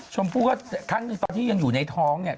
ชมพู่ก็ตอนที่ยังอยู่ในท้องเนี่ย